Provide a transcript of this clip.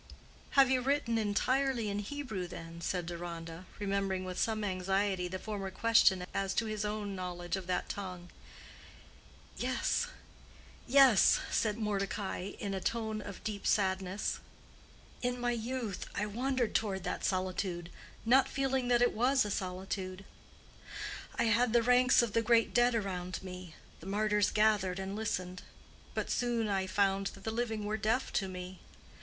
"Have you written entirely in Hebrew, then?" said Deronda, remembering with some anxiety the former question as to his own knowledge of that tongue. "Yes—yes," said Mordecai, in a tone of deep sadness: "in my youth I wandered toward that solitude, not feeling that it was a solitude. I had the ranks of the great dead around me; the martyrs gathered and listened. But soon I found that the living were deaf to me.